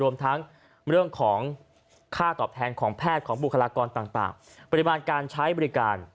รวมทั้งข้าวตอบแทนของแพทย์ของวุคลากรต่างปริมาณการใช้บริการ